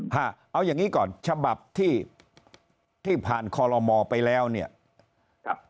ฮะเอาอย่างนี้ก่อนฉบับที่ที่ผ่านคอลโลมอไปแล้วเนี่ยครับ